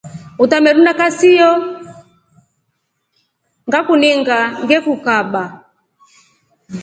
Utamerunda kasiyo ngakuninga ngekukaba.